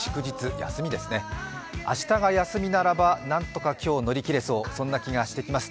休みですね、明日が休みならば何とか今日、乗り切れそう、そんな気がしてきます。